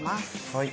はい。